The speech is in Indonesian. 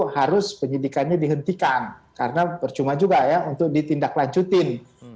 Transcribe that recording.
harus penyidikannya dihentikan karena percuma juga ya untuk ditindaklanjutin